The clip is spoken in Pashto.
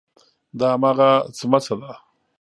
دا هماغه څمڅه ده.